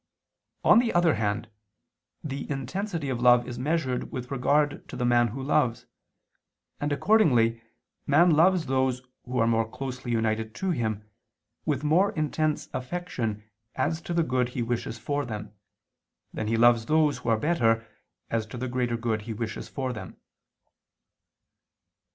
On the other hand, the intensity of love is measured with regard to the man who loves, and accordingly man loves those who are more closely united to him, with more intense affection as to the good he wishes for them, than he loves those who are better as to the greater good he wishes for them.